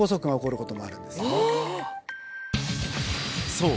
そう